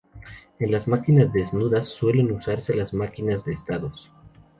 En las máquinas desnudas suelen usarse las máquinas de estados.